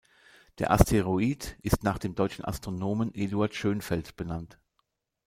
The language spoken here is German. Der Asteroid ist nach dem deutschen Astronomen Eduard Schönfeld benannt.